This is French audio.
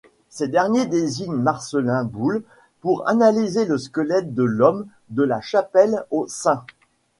Ces derniers désignent Marcellin Boule pour analyser le squelette de l'homme de La Chapelle-aux-Saints.